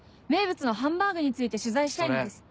名物のハンバーグについて取材したいんです。